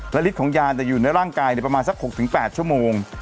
และฤทธิ์ของยาจะอยู่ในร่างกายประมาณสัก๖๘ชั่วโมง